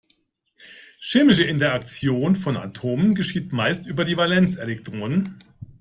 Chemische Interaktion von Atomen geschieht meist über die Valenzelektronen.